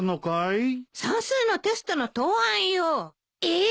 算数のテストの答案よ。えっ！？